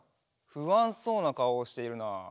ふあんそうなかおをしているな。